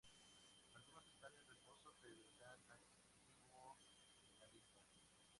Algunos estan en reposo pero estan activo en la lista.